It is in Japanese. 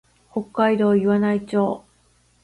北海道岩内町